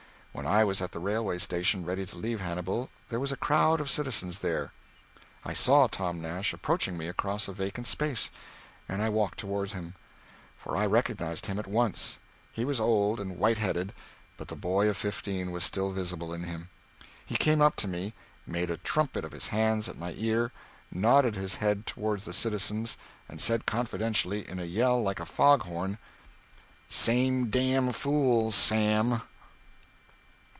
When I was at the railway station ready to leave Hannibal, there was a crowd of citizens there. I saw Tom Nash approaching me across a vacant space, and I walked toward him, for I recognized him at once. He was old and white headed, but the boy of fifteen was still visible in him. He came up to me, made a trumpet of his hands at my ear, nodded his head toward the citizens and said confidentially in a yell like a fog horn "Same damned fools, Sam!"